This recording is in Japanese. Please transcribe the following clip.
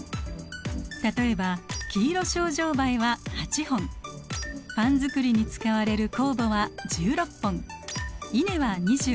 例えばキイロショウジョウバエは８本パン作りに使われる酵母は１６本イネは２４本。